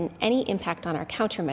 dan apapun impaknya pada pengukuran kita